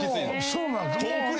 そうなんです。